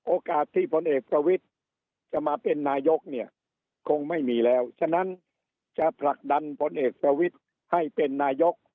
โอกาสที่ผลเอกประวิทย์จะมาเป็นนายกเนี่ยคงไม่มีแล้วฉะนั้นจะผลักดันพลเอกประวิทย์ให้เป็นนายก